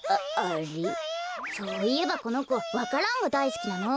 そういえばこのこわか蘭がだいすきなの。